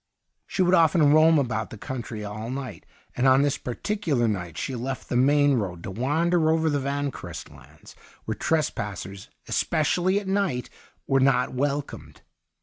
She .would often x'oam about the country all night, and on this particular night she left the main road to wander over the Vanquerest lands, where trespassers, especially at night, were not welcomed.